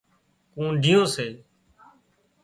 ڪنڍيون سي